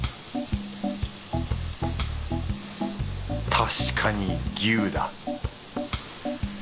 確かに牛だ